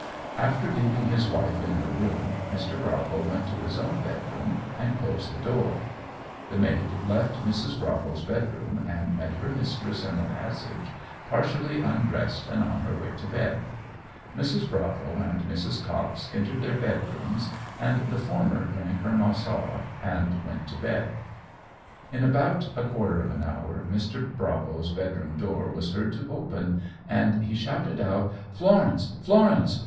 After leaving his wife in her room, Mr. Bravo went to his own bedroom and closed the door. The maid left Mrs. Bravo's bedroom and met her mistress in the passage partially undressed and on her way to bed. Mrs. Bravo and Mrs. Cox entered their bedrooms, and the former drank her Marsala and went to bed. In about a quarter of an hour Mr. Bravo's bedroom door was heard to open, and he shouted out, "Florence! Florence!